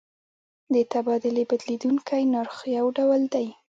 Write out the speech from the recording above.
د تبادلې بدلیدونکی نرخ یو ډول دی.